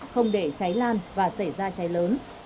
không để cháy lan và xảy ra cháy lớn